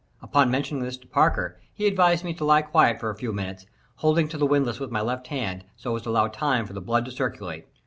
Upon mentioning this to Parker, he advised me to lie quiet for a few minutes, holding on to the windlass with my left hand, so as to allow time for the blood to circulate.